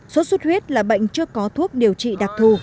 sốt xuất huyết là bệnh chưa có thuốc điều trị đặc thù